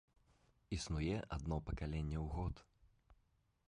Існуе адно пакаленне ў год.